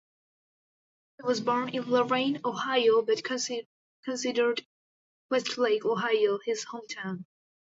He was born in Lorain, Ohio, but considered Westlake, Ohio his hometown.